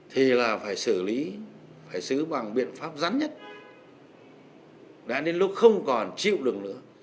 thì là phải xử lý phải xứ bằng biện pháp rắn nhất đã đến lúc không còn chịu được nữa